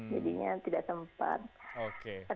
jadinya tidak sempat